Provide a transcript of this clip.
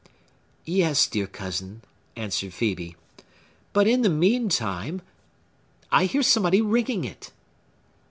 "Yes, dear cousin," answered Phœbe; "but, in the mean time, I hear somebody ringing it!"